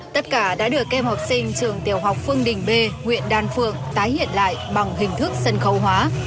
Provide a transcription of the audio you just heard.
tất cả đã được kem học sinh trường tiểu học phương đình b huyện đan phượng tái hiện lại bằng hình thức sân khấu hóa